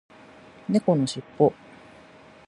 猫のしっぽ